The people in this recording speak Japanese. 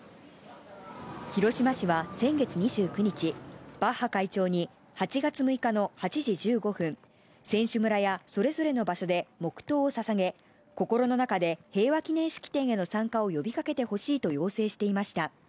広島市は先月２９日、バッハ会長に８月６日の８時１５分、選手村やそれぞれの場所で黙とうをささげ、心の中で平和祈念式典への参加を呼びかけてほしいと要請していました。